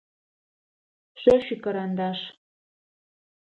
Шъо шъуикарандаш.